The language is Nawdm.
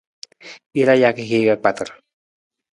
Jaraa jaka hiir ka kpatar.